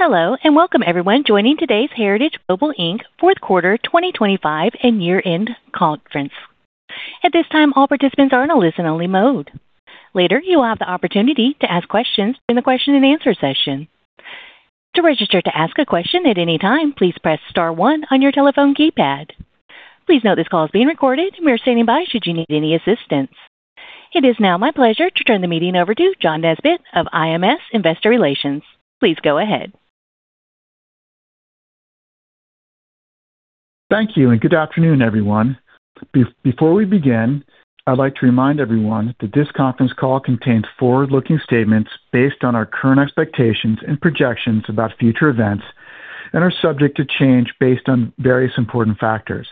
Hello and welcome everyone joining today's Heritage Global Inc. Fourth Quarter 2025 and Year-end Conference. At this time, all participants are in a listen-only mode. Later, you will have the opportunity to ask questions during the question and answer session. To register to ask a question at any time, please press star one on your telephone keypad. Please note this call is being recorded. We are standing by should you need any assistance. It is now my pleasure to turn the meeting over to John Nesbett of IMS Investor Relations. Please go ahead. Thank you and good afternoon, everyone. Before we begin, I'd like to remind everyone that this conference call contains forward-looking statements based on our current expectations and projections about future events and are subject to change based on various important factors.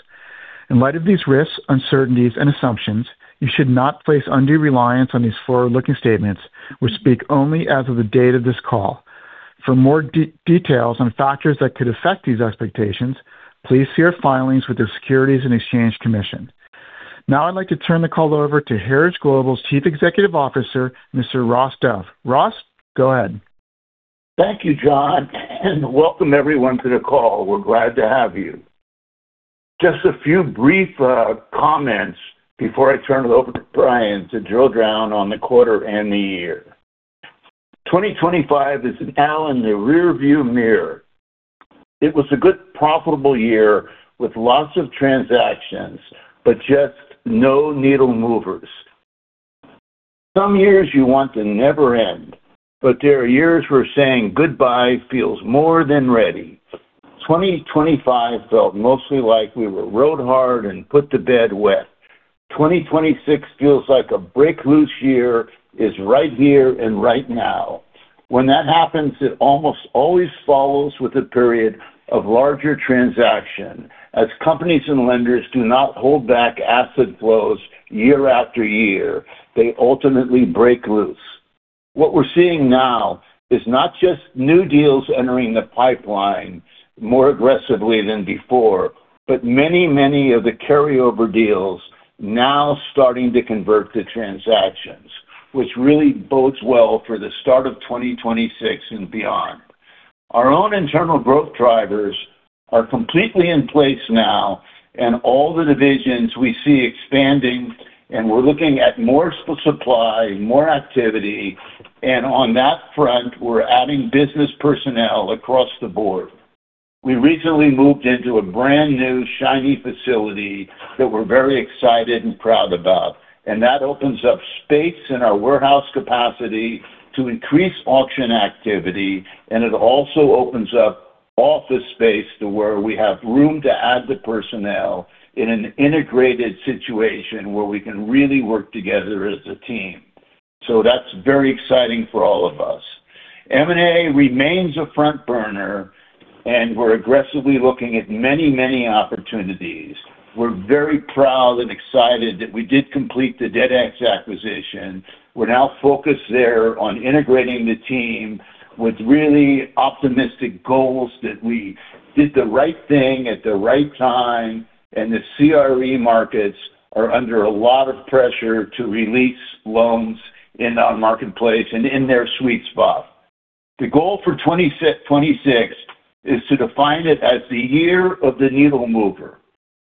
In light of these risks, uncertainties and assumptions, you should not place undue reliance on these forward-looking statements, which speak only as of the date of this call. For more details on factors that could affect these expectations, please see our filings with the Securities and Exchange Commission. Now I'd like to turn the call over to Heritage Global's Chief Executive Officer, Mr. Ross Dove. Ross, go ahead. Thank you, John, and welcome everyone to the call. We're glad to have you. Just a few brief comments before I turn it over to Brian to drill down on the quarter and the year. 2025 is now in the rearview mirror. It was a good profitable year with lots of transactions, but just no needle movers. Some years you want to never end, but there are years we're saying goodbye feels more than ready. 2025 felt mostly like we were rode hard and put to bed wet. 2026 feels like a break loose year is right here and right now. When that happens, it almost always follows with a period of larger transaction. As companies and lenders do not hold back asset flows year after year, they ultimately break loose. What we're seeing now is not just new deals entering the pipeline more aggressively than before, but many, many of the carry-over deals now starting to convert to transactions which really bodes well for the start of 2026 and beyond. Our own internal growth drivers are completely in place now and all the divisions we see expanding and we're looking at more supply, more activity, and on that front, we're adding business personnel across the board. We recently moved into a brand new shiny facility that we're very excited and proud about, and that opens up space in our warehouse capacity to increase auction activity, and it also opens up office space to where we have room to add the personnel in an integrated situation where we can really work together as a team. That's very exciting for all of us. M&A remains a front burner and we're aggressively looking at many, many opportunities. We're very proud and excited that we did complete the DebtX acquisition. We're now focused there on integrating the team with really optimistic goals that we did the right thing at the right time, and the CRE markets are under a lot of pressure to release loans in our marketplace and in their sweet spot. The goal for 2026 is to define it as the year of the needle mover.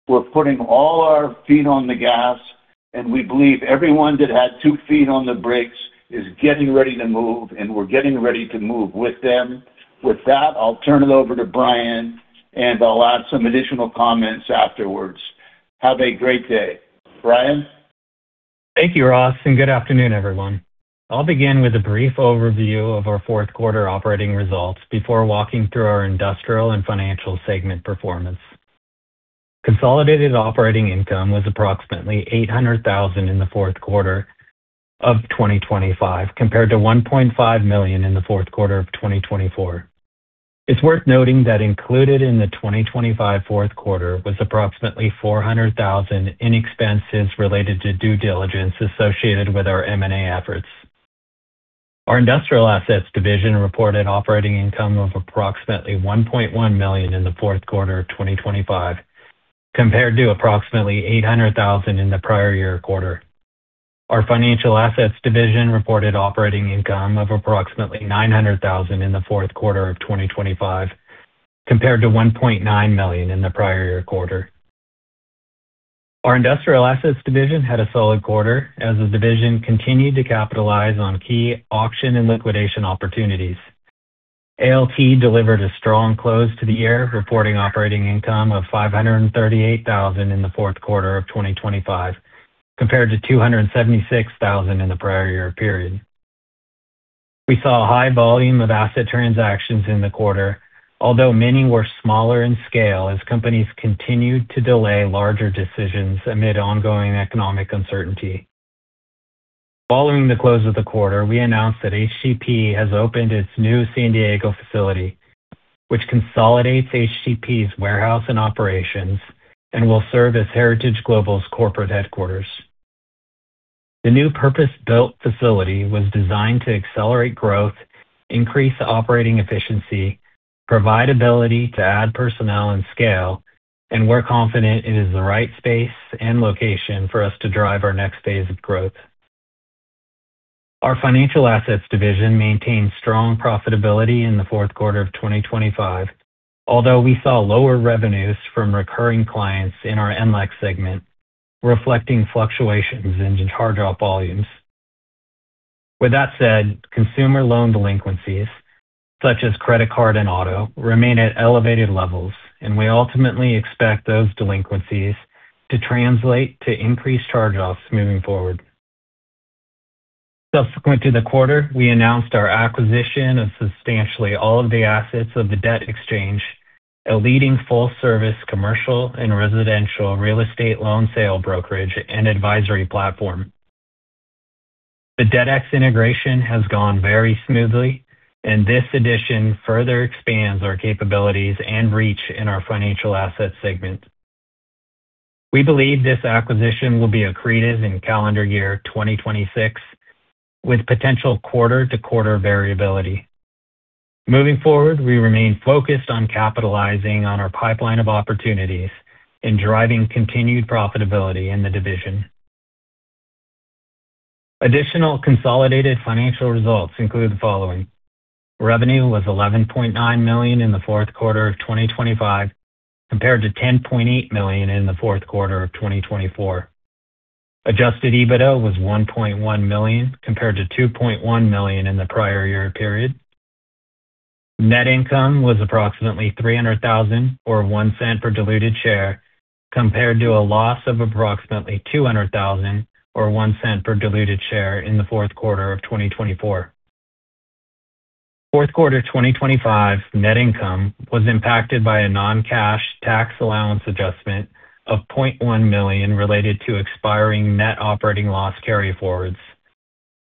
We're putting all our feet on the gas, and we believe everyone that had two feet on the brakes is getting ready to move, and we're getting ready to move with them. With that, I'll turn it over to Brian, and I'll add some additional comments afterwards. Have a great day. Brian. Thank you, Ross, and good afternoon, everyone. I'll begin with a brief overview of our fourth quarter operating results before walking through our industrial and financial segment performance. Consolidated operating income was approximately $800,000 in the fourth quarter of 2025 compared to $1.5 million in the fourth quarter of 2024. It's worth noting that included in the 2025 fourth quarter was approximately $400 thousand in expenses related to due diligence associated with our M&A efforts. Our industrial assets division reported operating income of approximately $1.1 million in the fourth quarter of 2025 compared to approximately $800 thousand in the prior year quarter. Our financial assets division reported operating income of approximately $900,000 in the fourth quarter of 2025 compared to $1.9 million in the prior year quarter. Our industrial assets division had a solid quarter as the division continued to capitalize on key auction and liquidation opportunities. ALT delivered a strong close to the year, reporting operating income of $538,000 in the fourth quarter of 2025 compared to $276,000 in the prior year period. We saw a high volume of asset transactions in the quarter, although many were smaller in scale as companies continued to delay larger decisions amid ongoing economic uncertainty. Following the close of the quarter, we announced that HCP has opened its new San Diego facility, which consolidates HCP's warehouse and operations and will serve as Heritage Global's corporate headquarters. The new purpose-built facility was designed to accelerate growth, increase operating efficiency, provide ability to add personnel and scale, and we're confident it is the right space and location for us to drive our next phase of growth. Our financial assets division maintained strong profitability in the fourth quarter of 2025, although we saw lower revenues from recurring clients in our NLEX segment, reflecting fluctuations in charge-off volumes. With that said, consumer loan delinquencies such as credit card and auto remain at elevated levels, and we ultimately expect those delinquencies to translate to increased charge-offs moving forward. Subsequent to the quarter, we announced our acquisition of substantially all of the assets of The Debt Exchange, a leading full-service commercial and residential real estate loan sale brokerage and advisory platform. DebtX integration has gone very smoothly and this addition further expands our capabilities and reach in our financial asset segment. We believe this acquisition will be accretive in calendar year 2026 with potential quarter-to-quarter variability. Moving forward, we remain focused on capitalizing on our pipeline of opportunities in driving continued profitability in the division. Additional consolidated financial results include the following. Revenue was $11.9 million in the fourth quarter of 2025, compared to $10.8 million in the fourth quarter of 2024. Adjusted EBITDA was $1.1 million compared to $2.1 million in the prior year period. Net income was approximately $300,000 or $0.01 per diluted share compared to a loss of approximately $200,000 or $0.01 per diluted share in the fourth quarter of 2024. Fourth quarter 2025 net income was impacted by a non-cash tax allowance adjustment of $0.1 million related to expiring net operating loss carryforwards,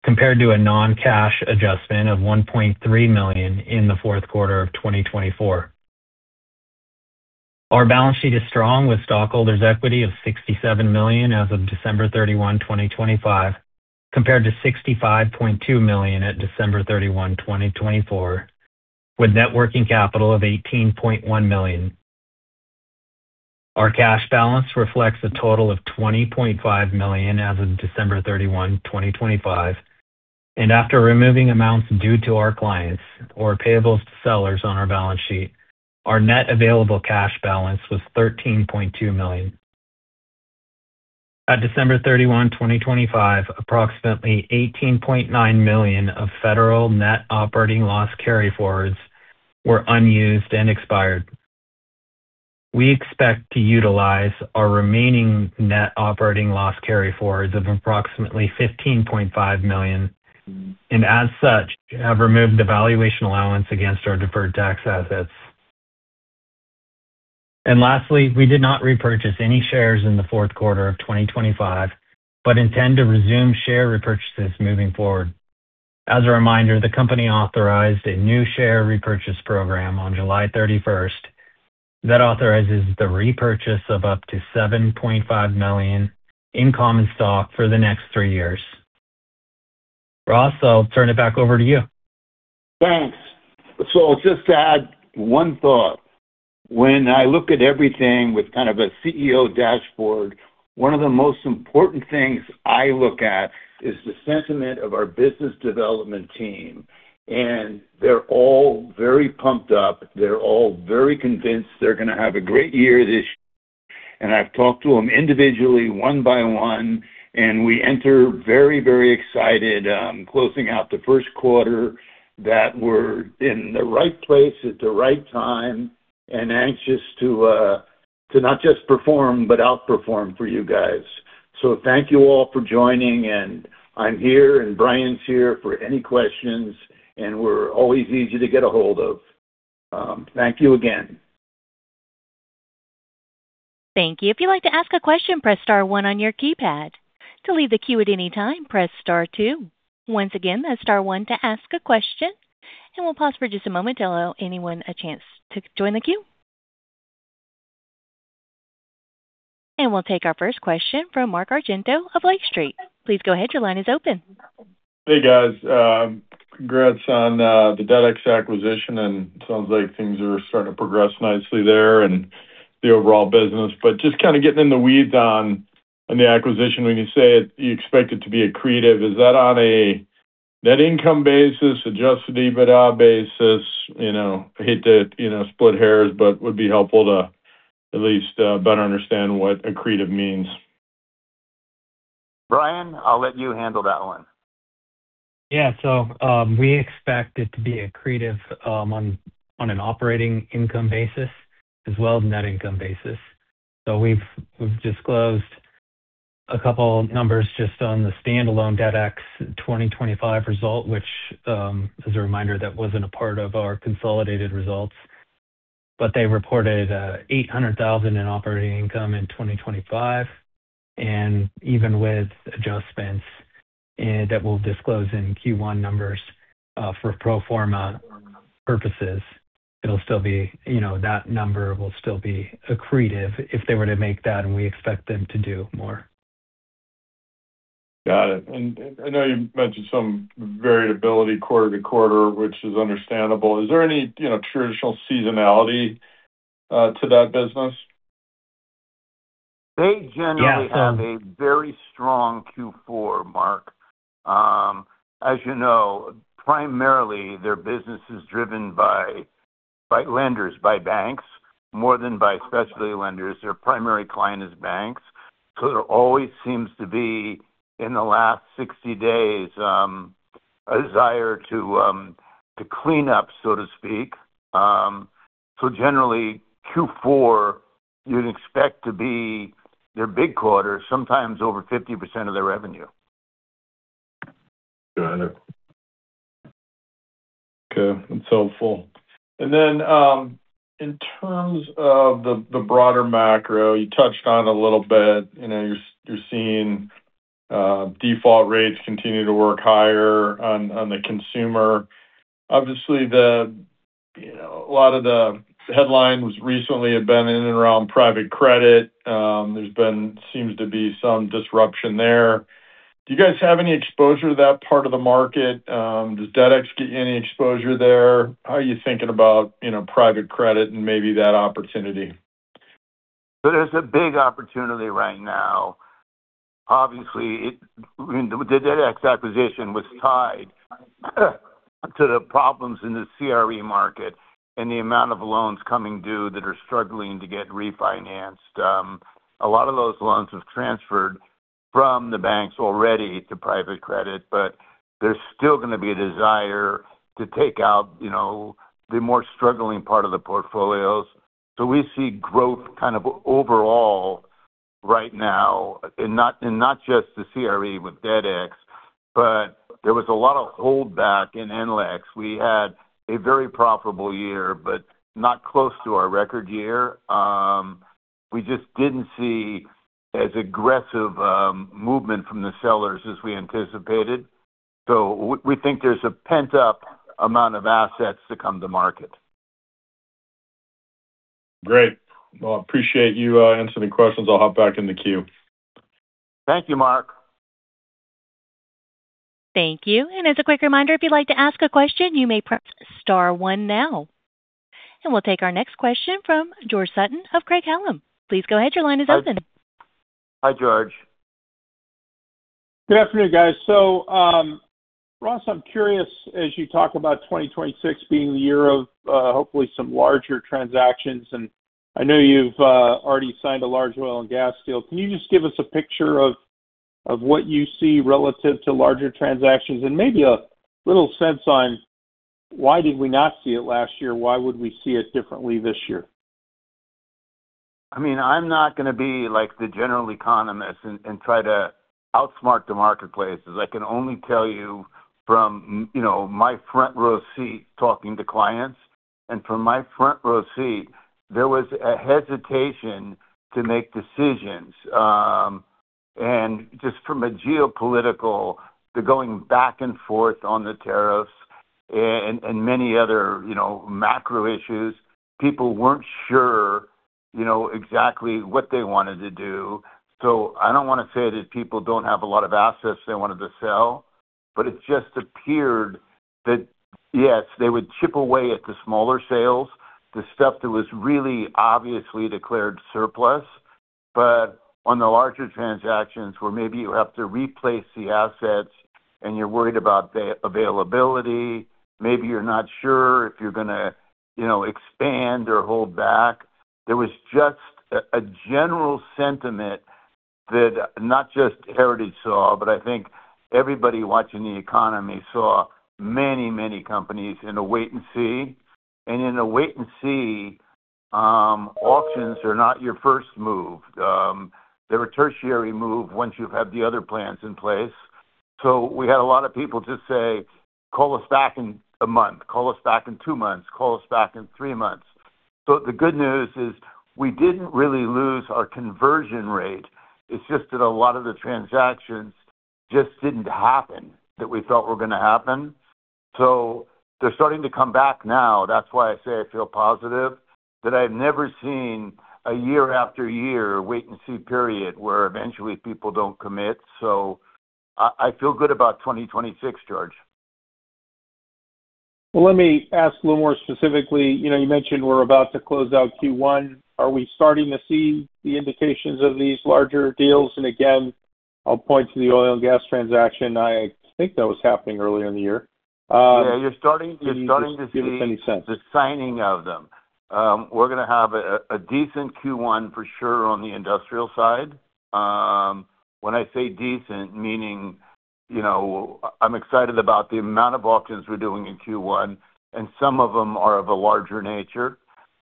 compared to a non-cash adjustment of $1.3 million in the fourth quarter of 2024. Our balance sheet is strong with stockholders' equity of $67 million as of December 31, 2025, compared to $65.2 million at December 31, 2024, with net working capital of $18.1 million. Our cash balance reflects a total of $20.5 million as of December 31, 2025, and after removing amounts due to our clients or payables to sellers on our balance sheet, our net available cash balance was $13.2 million. At December 31, 2025, approximately $18.9 million of federal net operating loss carryforwards were unused and expired. We expect to utilize our remaining net operating loss carryforwards of approximately $15.5 million and as such have removed the valuation allowance against our deferred tax assets. Lastly, we did not repurchase any shares in the fourth quarter of 2025 but intend to resume share repurchases moving forward. As a reminder, the company authorized a new share repurchase program on July 31st that authorizes the repurchase of up to $7.5 million in common stock for the next three years. Ross, I'll turn it back over to you. Thanks. I'll just add one thought. When I look at everything with kind of a CEO dashboard, one of the most important things I look at is the sentiment of our business development team. They're all very pumped up. They're all very convinced they're going to have a great year this year. I've talked to them individually one by one, and we enter very, very excited, closing out the first quarter that we're in the right place at the right time and anxious to not just perform but outperform for you guys. Thank you all for joining, and I'm here and Brian's here for any questions and we're always easy to get a hold of. Thank you again. Thank you. If you'd like to ask a question, press star one on your keypad. To leave the queue at any time, press star two. Once again, that's star one to ask a question. We'll pause for just a moment to allow anyone a chance to join the queue. We'll take our first question from Mark Argento of Lake Street. Please go ahead. Your line is open. Hey, guys. Congrats on the DebtX acquisition, and sounds like things are starting to progress nicely there and the overall business. Just kind of getting in the weeds on the acquisition. When you say you expect it to be accretive, is that on a net income basis, Adjusted EBITDA basis? You know, I hate to, you know, split hairs, but would be helpful to at least better understand what accretive means. Brian, I'll let you handle that one. Yeah. We expect it to be accretive on an operating income basis as well as net income basis. We've disclosed a couple numbers just on the standalone DebtX 2025 result which, as a reminder, that wasn't a part of our consolidated results, but they reported $800,000 in operating income in 2025. Even with adjustments that we'll disclose in Q1 numbers, for pro forma purposes, it'll still be, you know, that number will still be accretive if they were to make that, and we expect them to do more. Got it. I know you mentioned some variability quarter-to quarter, which is understandable. Is there any, you know, traditional seasonality to that business? They generally have a very strong Q4, Mark. As you know, primarily their business is driven by lenders, by banks more than by specialty lenders. Their primary client is banks. There always seems to be, in the last 60 days, a desire to clean up, so to speak. Generally Q4 you'd expect to be their big quarter, sometimes over 50% of their revenue. Got it. Okay, that's helpful. In terms of the broader macro, you touched on a little bit, you know, you're seeing default rates continue to work higher on the consumer. Obviously, you know, a lot of the headlines recently have been in and around private credit. There seems to be some disruption there. Do you guys have any exposure to that part of the market? Does DebtX get you any exposure there? How are you thinking about, you know, private credit and maybe that opportunity? There's a big opportunity right now. Obviously, it, the DebtX acquisition was tied to the problems in the CRE market and the amount of loans coming due that are struggling to get refinanced. A lot of those loans have transferred from the banks already to private credit, but there's still gonna be a desire to take out, you know, the more struggling part of the portfolios. We see growth kind of overall right now, and not just the CRE with DebtX, but there was a lot of holdback in NLEX. We had a very profitable year, but not close to our record year. We just didn't see as aggressive movement from the sellers as we anticipated. We think there's a pent-up amount of assets to come to market. Great. Well, I appreciate you answering questions. I'll hop back in the queue. Thank you, Mark. Thank you. As a quick reminder, if you'd like to ask a question, you may press star one now. We'll take our next question from George Sutton of Craig-Hallum. Please go ahead. Your line is open. Hi, George. Good afternoon, guys. Ross, I'm curious, as you talk about 2026 being the year of, hopefully some larger transactions, and I know you've already signed a large oil and gas deal. Can you just give us a picture of what you see relative to larger transactions and maybe a little sense on why did we not see it last year? Why would we see it differently this year? I mean, I'm not gonna be like the general economist and try to outsmart the marketplace, as I can only tell you from, you know, my front row seat talking to clients. From my front row seat, there was a hesitation to make decisions. Just from a geopolitical to going back and forth on the tariffs and many other, you know, macro issues, people weren't sure, you know, exactly what they wanted to do. I don't wanna say that people don't have a lot of assets they wanted to sell, but it just appeared that, yes, they would chip away at the smaller sales, the stuff that was really obviously declared surplus. On the larger transactions where maybe you have to replace the assets and you're worried about the availability, maybe you're not sure if you're gonna, you know, expand or hold back. There was just a general sentiment that not just Heritage saw, but I think everybody watching the economy saw many companies in a wait and see. In a wait and see, auctions are not your first move. They're a tertiary move once you've had the other plans in place. We had a lot of people just say, "Call us back in a month, call us back in two months, call us back in three months." The good news is we didn't really lose our conversion rate. It's just that a lot of the transactions just didn't happen that we thought were gonna happen. They're starting to come back now. That's why I say I feel positive, that I've never seen a year after year wait and see period where eventually people don't commit. I feel good about 2026, George. Well, let me ask a little more specifically. You know, you mentioned we're about to close out Q1. Are we starting to see the indications of these larger deals? And again, I'll point to the oil and gas transaction. I think that was happening earlier in the year. Yeah, you're starting to see. Can you just give us any sense? The signing of them. We're gonna have a decent Q1 for sure on the industrial side. When I say decent, meaning, you know, I'm excited about the amount of auctions we're doing in Q1, and some of them are of a larger nature.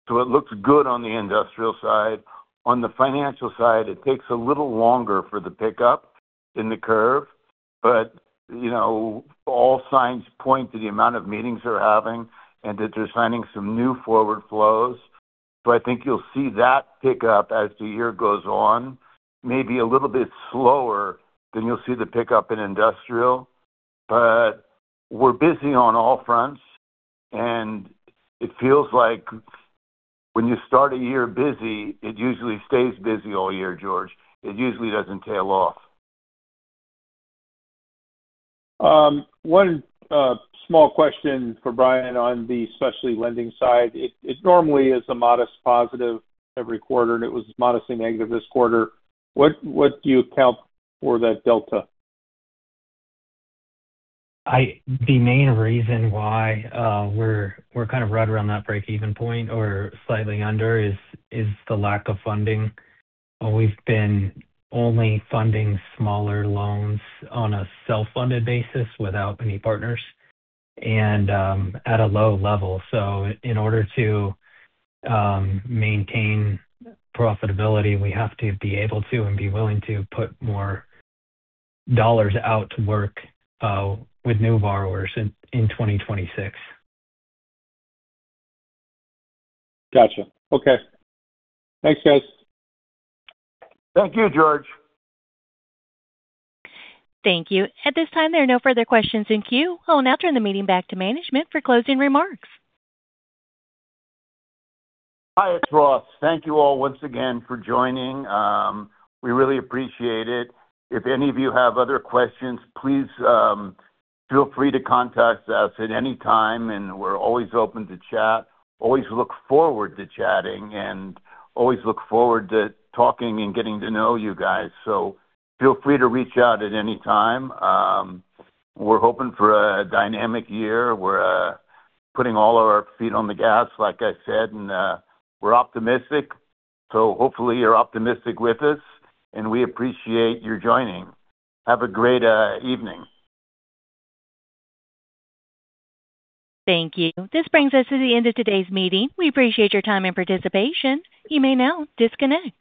It looks good on the industrial side. On the financial side, it takes a little longer for the pickup in the curve, but, you know, all signs point to the amount of meetings they're having and that they're signing some new forward flows. I think you'll see that pick up as the year goes on. Maybe a little bit slower than you'll see the pickup in industrial. We're busy on all fronts, and it feels like when you start a year busy, it usually stays busy all year, George. It usually doesn't tail off. One small question for Brian on the specialty lending side. It normally is a modest positive every quarter, and it was modestly negative this quarter. What do you account for that delta? The main reason why we're kind of right around that break-even point or slightly under is the lack of funding. We've been only funding smaller loans on a self-funded basis without any partners and at a low level. In order to maintain profitability, we have to be able to and be willing to put more dollars out to work with new borrowers in 2026. Gotcha. Okay. Thanks, guys. Thank you, George. Thank you. At this time, there are no further questions in queue. I will now turn the meeting back to management for closing remarks. Hi, it's Ross. Thank you all once again for joining. We really appreciate it. If any of you have other questions, please, feel free to contact us at any time. We're always open to chat, always look forward to chatting, and always look forward to talking and getting to know you guys. Feel free to reach out at any time. We're hoping for a dynamic year. We're putting all of our feet on the gas, like I said, and we're optimistic. Hopefully you're optimistic with us, and we appreciate you joining. Have a great evening. Thank you. This brings us to the end of today's meeting. We appreciate your time and participation. You may now disconnect.